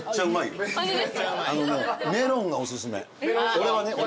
俺はね。